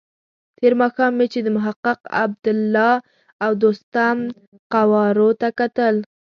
تېر ماښام مې چې د محقق، عبدالله او دوستم قوارو ته کتل.